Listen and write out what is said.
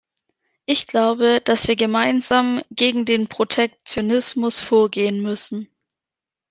Ich glaube, dass wir gemeinsam gegen den Protektionismus vorgehen müssen.